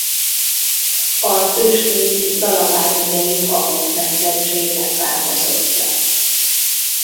Az ősrégi Zala vármegyei Hahót nemzetség leszármazottja.